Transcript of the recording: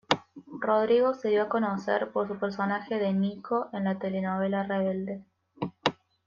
Rodrigo se dio a conocer por su personaje de "Nico" en la telenovela "Rebelde".